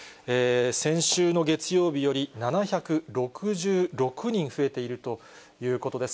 先週の月曜日より７６６人増えているということです。